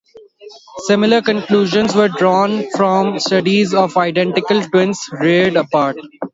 Similar conclusions were drawn from studies of identical twins reared apart.